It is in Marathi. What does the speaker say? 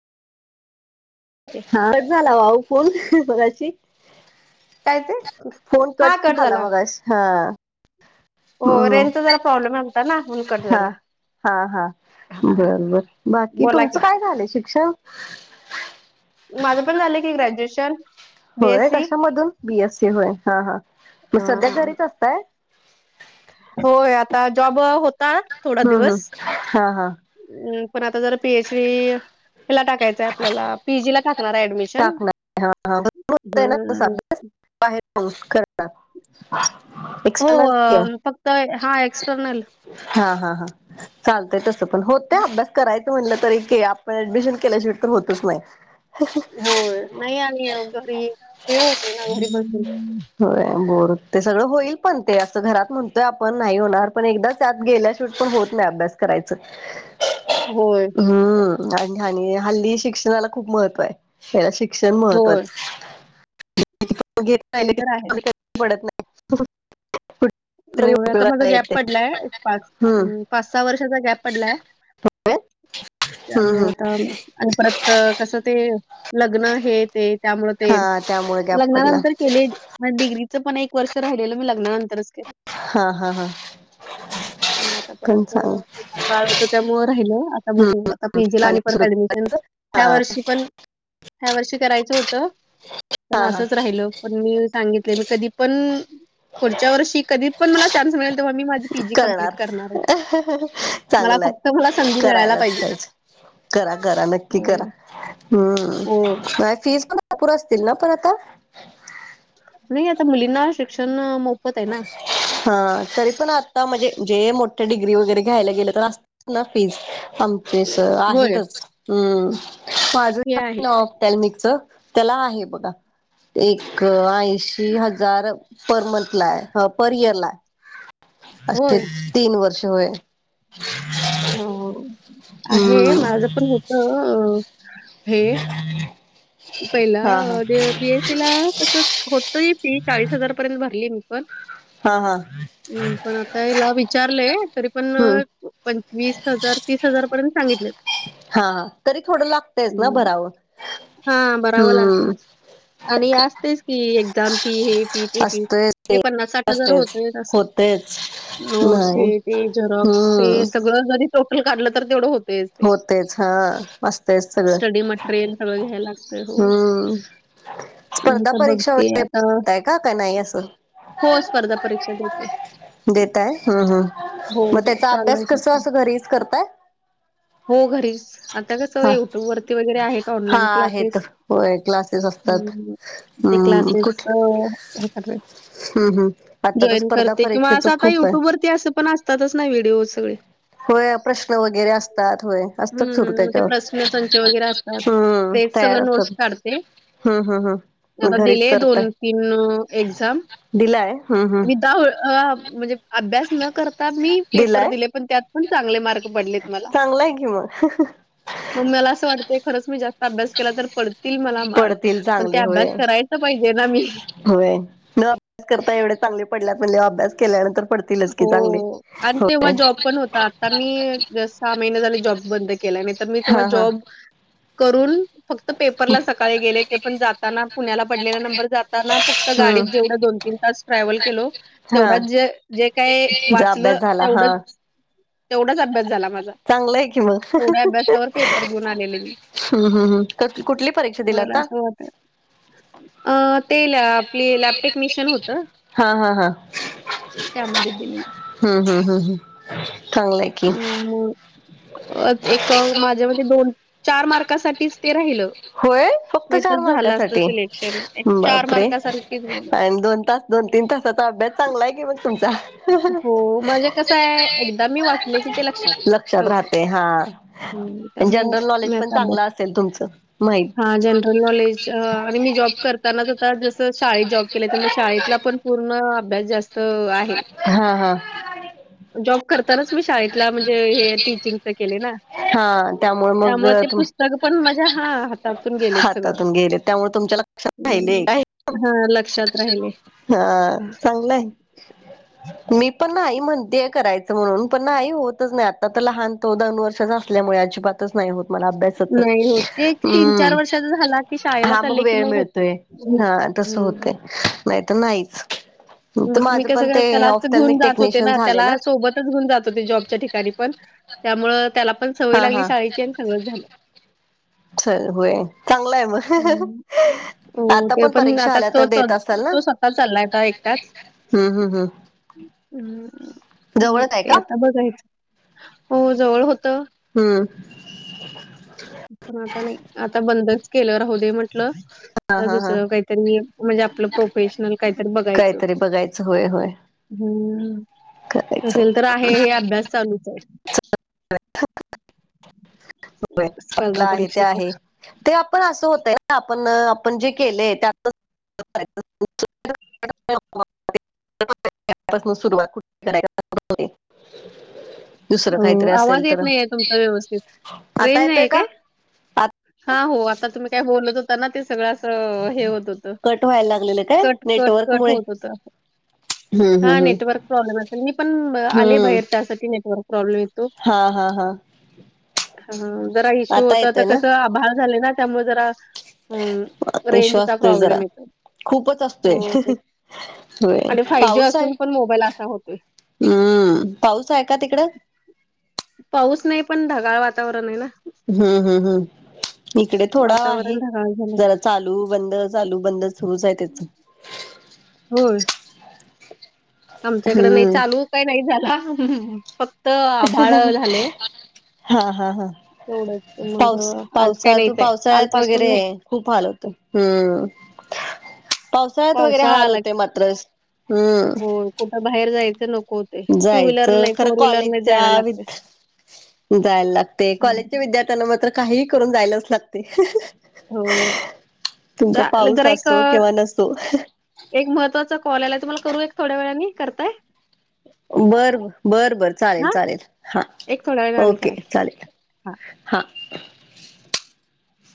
हा कट झाला भाऊ फोन स्गशी. काय ते. फोन कट झाला मग हा. हो हम्म रेंजचा जरा प्रॉब्लेम आहे होता ना होनकट हा झाला. हा हा हा बरबर बाकी बोला की तुमचं काय झालंय शिक्षण. माझं पण झालं की ग्रॅज्युएशन. होय बीएससी कशामधून बीएस सी होय हा हा मग अ सध्या घरीच असतय. होय आता जॉब होता थोडा हम्म हम् दिवस. हा हा हम् पण आता जरा पीएच डीला टाकायचंय आपल्याला पीजी ला टाका. टाकणार ह ह हम्म त्या बार करणार. एक हो सम फक्त हा एक्सटर्नल हा हा हा. चालतय तसं पण होतय अभ्यास करायचं म्हणलं तरी आपण ऍडमिशन केल्याशिवाय तर होतच नाही. ह. हो नाही आणि घरी हे होतय ना घरी बसून. हो बोर ते सगळं होईल पण ते असं घरात म्हणतोय आपण नाही होणार पण एकदाच. त्यात गेल्या शिवट पण होत नाही अभ्यास करायचं. होय. हम्म आणि आणि हल्ली शिक्षणाला खूप महत्त्व आहे. हला शिक्षण होय महत्त्वाचं ते तर आहे राहि पडत नाही. हो तरी आता माझा उपयोगाला गॅप येते. पडलाय एक पाच्. हम्म पाच सहा वर्षाचा गॅप पडलाय हम्म त्यामुळे हम्म आता. आणि परत कसं ते लग्न हे ते त्यामुळं ते हा त्यामुळे गॅप पडला लग्नानंतर. केले डिग्रीचं पण एक वर्ष राहिलं मी लग्नानंतरच केलं. हा हा हा. ह. मग आता परत पण सांग लहान बाळच त्यामु राहिलं आता हम्म बघू आता पीजी ला आणि आली परत सुरू ऍडमिशन. हा ह्या वर्षी पण ह्या वर्षी करायचं होत पण हा हा असंच राहिल. पण मी सांगितले मी कधी पण पुढच्या वर्षी कधी. पण मला चान्स मिळेल तेव्हा मी माझी पीजी कंप्लीट करणार मला. चांगलंय तर मला संधी मिळायला पाहिजे. करा करा नक्की करा हो हो हम्म फीस पण. नापूर असतील ना पण आता. नाही आता मुलींना शिक्षण मो. हा तरी पण आता म्हणजे जे मोठे डिग्री वगैरे घ्यायला गेलं तर. ना फीज आमचे होय आहेतच हम् माझ. हे आहे. त्याॅल्मिक च त्याला आहे बघा. एक ऐंशी हजार पर मंथ. लाय ह पर इयर लाय असे होय. तीन वर्ष होय. हो आहे हम्म माझ पण होत अ हे. पहिला हा हा बी एस. तिला तसं होत फी चाळीस हजार पर्यंत भरली मी पण हा हा हम्म पण आता याला विचारलंय तरी पण हम्म पंचवीस हजार तीस हजार पर्यंत सांगितले. हा तरी थोडं लागतयच ना भराव हा बरावं लागतंच. आणि असतेच की एक्झाम फी हे फी ते फी ते पन्नास साठ हजार होतोय. होतेच. नोट्स हे ते जरॉक्स हे सगळं जरी टोटल काढलं तर तेवढं होत. तेच ते होतेच हा असतयच सगळं स्टडी मटेरियल सगळं घ्यायला. हो हम्म स्पर्धा तर परीक्षा बघते वगैरे आता. देताय का का नाही असं हो स्पर्धा परीक्षा देते. देतय हम हो, हम् मग हो त्याचा चालू अभ्यास आहे ते कस पण. अस घरीच करताय. हो घरीच आता कस हा युट्यूब वरती वगैरे आहे हा ऑनलाईन आहेत क्लास. होय क्लासेस असतात ते हम्म क्लासेस कुठ हे कर. हम्म हम्म आता तर जॉईन स्पर्धा करते किंवा परीक्षेच असं आता खूप आहे युट्यूब वरती असं पण असतातच नाही व्हिडिओ सगळे. होय प्रश्न वगैरे असतात होय. असतात सुरू हं, ते त्याच्यावर प्रश्न संच वगैरे असतात. हम्म तेच तयार सगळं असतात. नोट्स काढते. हा हा हा. आता दिले दोन तीन एक्झाम. दिलाय हम ह. मी द म्हणजे अभ्यास न करता मी पेपर दिलाय दिले. ण त्यात पण चगले मार्. चांगलाय कि मग. मग मला असं वाटतंय खरच मी जास्त अभ्यास केला तर पडत. तील मला मार्क पडतील पण ते चांगले अभ्यास होय करायच पाहिजे ना मी. होय न अभ्यास करता एवढे चांगले पडल्या म्हणजे अभ्यास केल्यानंतर पडतीलच की हो. चांगली आणि हो. तेव्हा जॉब पण होता. आता मी सहा महिने झाले जॉब बंद केला नाही तर मी तेव्हा हा हा जॉब करून फक्त पेपरला सकाळी गेले ते पण जाताना पुण्याला पडलेला नंबर जाताना फक्त हम्म गाडीत जेवढं दोन तीन तास ट्रॅव्हल केलो हा तेवढाच जे जे काय वाचलं तेवढंच. तेवढाच अभ्यास झाला माझा. चांगलंय की मग तेवढ्या अभ्यासावर पेपर ह् देऊन आलेले मी. हम् कुठली परीक्षा दिली मला आता? असं वाटत अ ते ल आपली लॅपटेक्निशियन होतं. हा हां हां त्यामध्ये दिली. हम्म हम हम् हम चांगलेय हम् म एक माझ्या मते दोन चार मार्कासाठीच ते राहिलं. होय फक्त नाहीतर चार झालं असतं मारकांसाठी सिलेक्शन. एक बापरे मार्कासाठीच गेलं. आणि दोन तास. दोन तीन तासचा अभ्यास चांगला आहे की मग तुमचा. हो, म्हणजे कसं आहे एकदा मी वाचले की ते लक्षात ठेवते. राहते हां हं, आणि त्यामुळं जनरल नॉलेज पण चांगलं असेल तुमचं? माहित हा जनरल नॉलेज आणि मी जॉब करतानाच आता जस शाळेत जॉब केलं तर मग शाळेतला पण पूर्ण अभ्यास जास्त आहे. हा हां जॉब करतानाच मी शाळेतला म्हणजे हे टीचिंगच केले ना. हा मग त्यामुळे ते तुम पुस्तक पण माझ्या हा हातातून गेलेत सगळं. हातातून गेले त्यामुळे तुमच्या लक्षात राहिले काय हा लक्षात राहिले. हा चांगलंय ह् [inaudible] मी पण नाही म्हणतेय करायचं म्हणून पण नाही होतच नाही आता तर लहान तो दोन वर्षाचा असल्यामुळे अजिबात नाही होत मला अभ्यास. नाही होत एक तीन चार हम्म वर्षाचा झाला की शाळेला हा मग चालले की वेळ होत मिळतोय. हा तस हम्म होतय नाही तर नाहीच. तर मग मी माझं पण कसं ते त्यालाच घेऊन ऑफ्थॅल्मिक जात होते टेक्निशियन ना झाले त्याला सोबतच घेऊन जात होते जॉबच्या ठिकाणी पण. त्यामुळं त्याला पण सवय हा लागली हा शाळेची आणि सगळं झालं. च होय चांगलं आहे म हम्म. हो आता ते पण परीक्षा आता आल्या तो तर तो देत असाल ना? तो स्वतः चालाय आता एक हम्म हम्म हम्म मग जवळच आहे का ते आता बघायचं. हो जवळ होतं. हम्म [inaudible] पण आता नाही आता बंदच केलं राहू दे म्हण दुसरं काहीतरी म्हणजे आपलं प्रोेफेशनल काय बघायचं. कायतरी बघायचं हो हम्म करायचं असेल तर आहे हे अभ्यास चालूच आहे. स्पर्धा आपला आहे ते परीक्षेचा. आहे. ते आपण असं होतय आपण आपण जे केलेय त्यात. सुरुवातठ कराय [inaudible] अ काहीतरी असेल आवाज तर येत नाही आहे तुमचा व्यवस्थित आता रेंज येतोय नाहीय का काय? आ हा हो आता तुम्ही काय बोलत होता ना ते सगळं अस हे होत होत. कट व्हायला लागलेलं काय कट कट नेटवर्क कट मुळे होत होत. हम्म हा हम्म हम्म नेटवर्क प्रॉब्लेम असेल मी पण आले हम्म बाहेर त्यासाठी नेटवर्क प्रॉब्लेमेत. हा हा हां ह जरा इश्यू होता तर येतोय ना कसं आभाळ झाले ना त्यामुळे जरा हम् इशू रेंजचा असतोय जरा प्रॉब्लेम येतो खूपच हो ते असतोय आणि पाऊस आहे असून पण मोबाईल असा होतोय. हम्म पाऊस आहे का तिकडं पाऊस नाही पण ढगाळ वातावरण आहे ना हम्म हम्म हम् इकडे थोडा आहे वातावरण ढगाळ झालंय. जरा चालू बंद चालू बंद सुरूच आहे त्याच होर आमच्याकडे नाही हम्म चालू काही नाही झाला फक्त आभाळ झाले हा हा हा तेवढच मग पाऊस आज काय पावसात नाहीत आहे पावसाळ्यात कालपसून वगैरे नाही खूप हाल होत हम्म पावसाळ्यात वगैरे पावसाळा हाल आला होते की मात्रच हम् हो कुठं बाहेर जायचं नको होते टू व्हीलर जायचं नाही खर फोर व्हीलर नाही जायला कॉलेजच्या वि लागते जायला लागते कॉलेजच्या विद्यार्थ त्यांना मात्र काही करून जायलाच लागते हो तुमचा चालेल पाऊस जरा एक असो किंवा नसो एक महत्त्वाचा कॉल आयला त मला करू एक थोड्या वेळाने करताय बर बरं बर चालेल हा चालेल हा एक थोड्या वेळाने ओके करा की चालेल हा